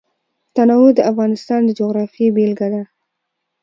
تنوع د افغانستان د جغرافیې بېلګه ده.